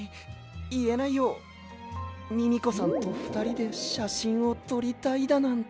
ミミコさんとふたりでしゃしんをとりたいだなんて。